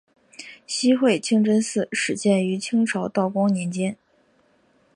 西会清真寺始建于清朝道光年间。